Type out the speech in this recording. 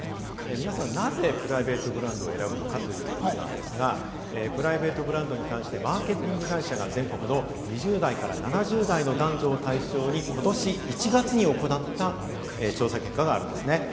皆さん、なぜプライベートブランドを選ぶのかということなんですが、プライベートブランドに関して、マーケティング会社が全国の２０代から７０代の男女を対象に今年１月に行った調査結果があります。